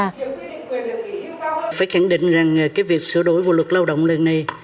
chúng tôi chẳng định rằng việc sửa đổi bộ luật lao động lần này